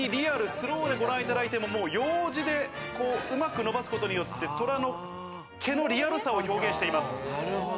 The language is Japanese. スローでご覧いただいても楊枝でうまく伸ばすことによって寅の毛のリアルさを表現しています。